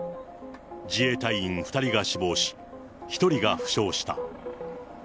自衛隊員２人が死亡し、１人が負傷した。